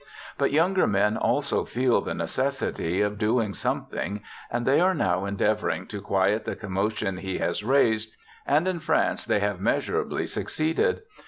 But younger men also feel the necessity of doing something, and they are now endeavouring to quiet the commotion he has raised, and in France they have measurably suc ceeded.